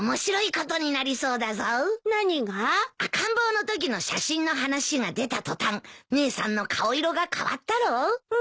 赤ん坊のときの写真の話が出た途端姉さんの顔色が変わったろう？